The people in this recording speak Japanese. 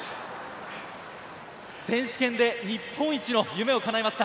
選手権で日本一の夢をかなえました。